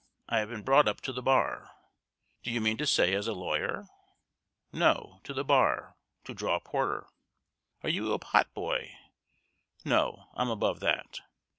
I have been brought up to the bar. "Do you mean to say as a lawyer? No; to the bar, to draw porter. "Are you a pot boy? No, I'm above that.